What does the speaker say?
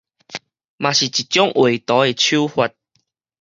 嘛是一種畫圖的手法